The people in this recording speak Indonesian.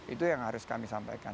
itu yang harus kami sampaikan